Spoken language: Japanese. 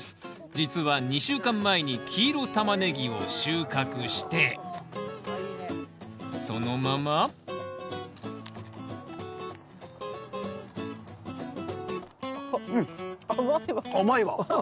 実は２週間前に黄色タマネギを収穫してそのままあっ